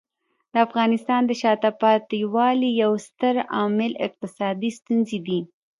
د افغانستان د شاته پاتې والي یو ستر عامل اقتصادي ستونزې دي.